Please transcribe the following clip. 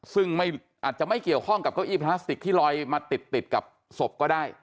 ซึ่งอาจจะไม่เกี่ยวข้องกับเก้าอี้พลาสติกที่ลอยมาติดกับศพก็ได้